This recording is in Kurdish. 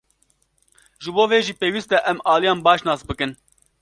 Ji bo vê jî pêwîst e em aliyan baş nas bikin.